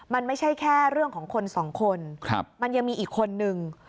มันไม่ใช่แค่เรื่องของคนสองคนมันยังมีอีกคนนึง